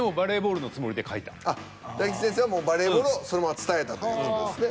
俺でもあっ大吉先生はもうバレーボールをそのまま伝えたという事ですね。